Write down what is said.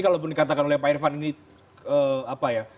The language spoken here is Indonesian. kalaupun dikatakan oleh pak irvan ini apa ya